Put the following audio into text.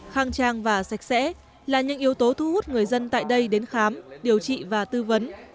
khang trang và sạch sẽ là những yếu tố thu hút người dân tại đây đến khám điều trị và tư vấn